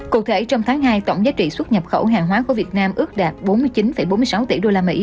cụ thể trong tháng hai tổng giá trị xuất nhập khẩu hàng hóa của việt nam ước đạt bốn mươi chín bốn mươi sáu tỷ usd